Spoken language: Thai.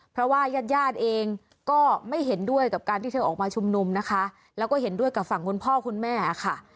เพราะว่าญาติญาติเองก็ไม่เห็นด้วยกับการที่เธอออกมาชุมนุมนะคะแล้วก็เห็นด้วยกับฝั่งคุณพ่อคุณแม่ค่ะ